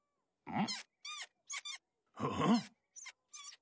ん。